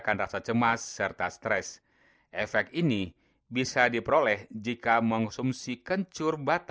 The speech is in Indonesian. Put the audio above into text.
bila nanti aku pulang ke rumah